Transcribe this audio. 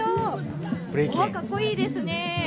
かっこいいですね。